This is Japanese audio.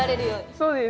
そうです。